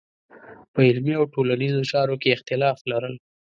په علمي او ټولنیزو چارو کې اختلاف لرل.